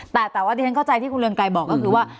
แต่ว่าที่ฉันเข้าใจที่คุณเรืองไกรบอกก็คือว่า